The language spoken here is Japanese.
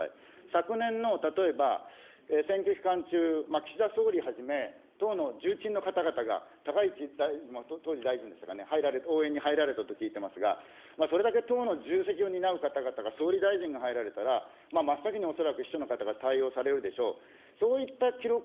昨年の例えば、選挙期間中、岸田総理はじめ、党の重鎮の方々が、高市、当時大臣ですかね、入られて、応援に入られたと聞いておりますが、それだけ党の重責を担う方々が総理大臣が来られたら、真っ先に恐らく秘書の方が対応をされるでしょう。